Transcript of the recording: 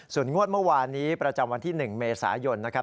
ส่วนงวดเมื่อวานนี้ประจำวันที่๑เมษายนนะครับ